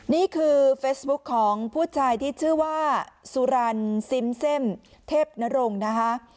นี่คือเฟซบุ๊คของผู้ชายที่ชื่อว่าสุรรณซิมเซ่มเทพนรงค์นะคะ